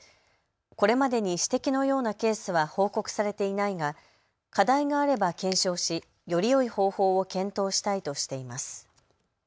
これまでに指摘のようなケースは報告されていないが課題があれば検証し、よりよい方法を検討したいとしています。